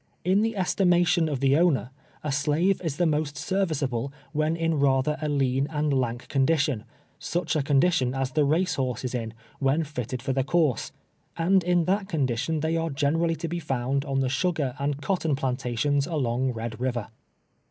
In the estimation of the owner, a slave is the most serviceable when in rather a lean and lank condition, such a condition as the race horse is in, when fitted for the couree, and in that condition they are generally to be found on the sugar and cot ton plantations along Red Kiver.